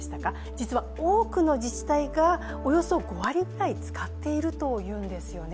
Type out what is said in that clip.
実は多くの自治体がおよそ５割ぐらい使っているというんですよね。